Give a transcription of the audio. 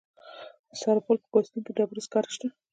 د سرپل په کوهستان کې د ډبرو سکاره شته.